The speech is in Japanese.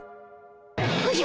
おじゃ！